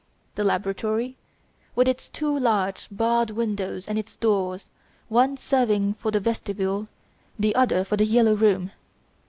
2. Laboratory, with its two large, barred windows and its doors, one serving for the vestibule, the other for "The Yellow Room".